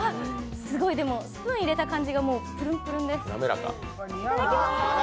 すごいスプーン入れた感じがもうプリンプリンです。